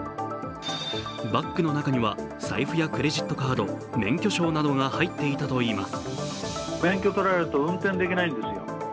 バッグの中には財布やクレジットカード、免許証などが入っていたといいます。